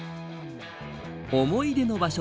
思い出の場所